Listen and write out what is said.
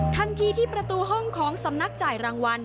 ทันทีที่ประตูห้องของสำนักจ่ายรางวัล